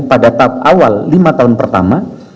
pada tahap awal lima tahun pertama